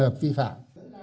hợp vi phạm